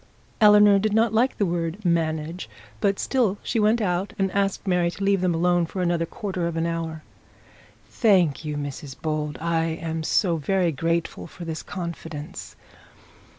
Eleanor did not like the word manage, but still she went out, and asked Mary to leave them alone for another quarter of an hour. 'Thank you, Mrs Bold, I am so very grateful for this confidence.